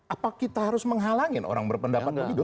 apa kita harus menghalangin orang berpendapat begitu